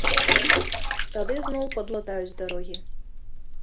Тады зноў падлатаюць дарогі.